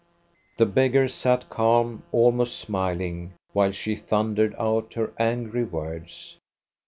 The beggar sat calm, almost smiling, while she thundered out her angry words.